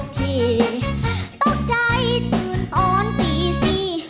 โต๊กใจตื่นอ้อนตีซิ